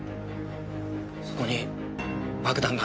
そこに爆弾が。